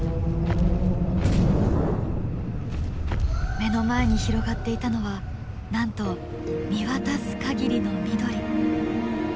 目の前に広がっていたのはなんと見渡す限りの緑。